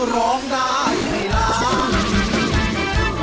ร้องได้ให้ล้าน